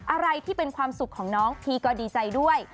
อะไรที่เป็นความสุขของน้องพี่ก็ดีใจด้วย